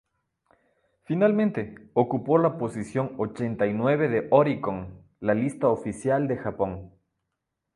Finalmente, ocupó la posición ochenta y nueva de "Oricon", la lista oficial de Japón.